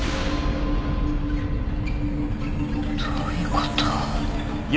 どういうこと？